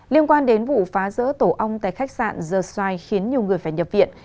liên quan đến vụ phá rỡ tổ ong tại khách sạn the xoài khiến nhiều người phải nhập viện